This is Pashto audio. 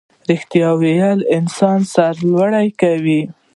ریښتیا ویل انسان سرلوړی کوي